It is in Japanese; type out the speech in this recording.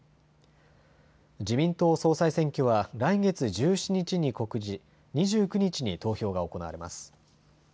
自民党総裁選挙は来月１７日に告示２９日に投票が行われます。